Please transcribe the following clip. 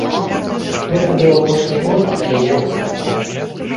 Гэта быў апошні год, калі я выступаў.